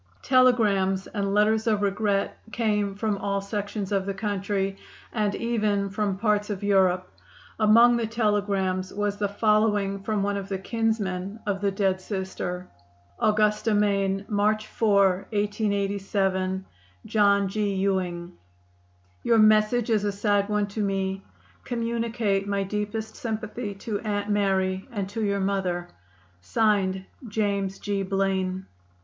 Telegrams and letters of regret came from all sections of the country, and even from parts of Europe. Among the telegrams was the following from one of the kinsmen of the dead Sister: Augusta, Maine, March 4, 1887. John G. Ewing: Your message is a sad one to me. Communicate my deepest sympathy to Aunt Mary and to your mother. JAMES G. BLAINE.